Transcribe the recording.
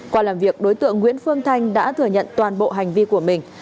qua làm việc đối tượng nguyễn phương thanh đã thừa nhận toàn bộ hành vi của mình